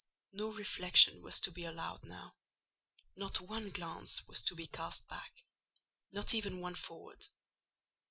No reflection was to be allowed now: not one glance was to be cast back; not even one forward.